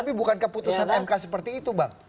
tapi bukankah putusan mk seperti itu bang